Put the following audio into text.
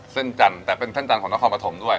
เส้นจันทร์แต่เป็นเส้นจันทร์ของนครปฐมด้วย